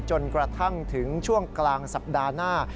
จนกระทั่งถึงช่วงกลางสัปดาห์หน้า